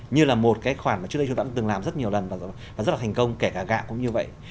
như là một cái khoản mà trước đây chúng ta cũng từng làm rất nhiều lần và rất là thành công kể cả gạo cũng như vậy